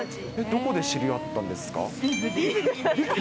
どこで知り合ったんですか。